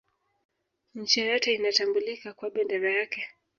nchi yoyote inatambulika kwa bendera yake